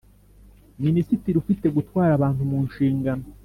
Minisitiri ufite gutwara abantu mu nshingano